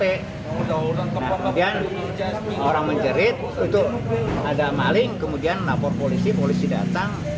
kemudian orang menjerit itu ada maling kemudian lapor polisi polisi datang